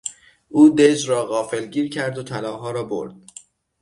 او دژ را غافلگیر کرد و طلاها را برد.